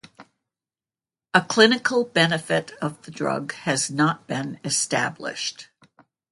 A clinical benefit of the drug has not been established.